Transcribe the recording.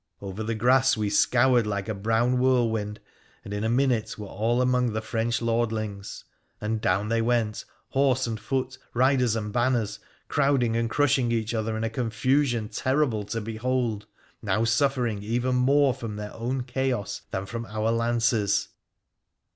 Over the grass we scoured like a brown whirlwind, and in a minute were all among the French lordlings. And down they went, horse and foot, riders and banners, crowding and crushing each other in a confusion terrible to behold, now suffering even more from their own chaos than from our lances.